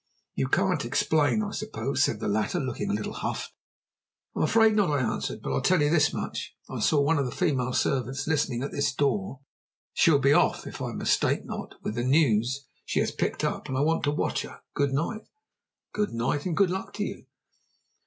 "You can't explain, I suppose?" said the latter, looking a little huffed. "I'm afraid not," I answered; "but I'll tell you this much I saw one of the female servants listening at this door. She'll be off, if I mistake not, with the news she has picked up, and I want to watch her. Good night." "Good night, and good luck to you."